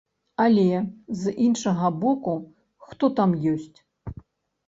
Але, з іншага боку, хто там ёсць?